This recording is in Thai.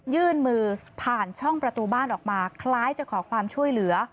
ยื่นมือผ่านช่องประตูบ้านออกมาคล้ายจะขอความช่วยเหลือ